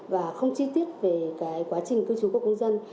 và không chi tiết về quá trình cư trú của công dân